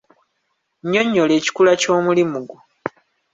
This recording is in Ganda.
Nnyonyola ekikula ky'omulimu gwo.